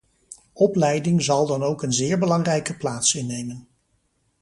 Opleiding zal dan ook een zeer belangrijke plaats innemen.